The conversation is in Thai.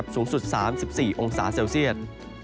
สูงสุด๓๔องศาเซลเซียต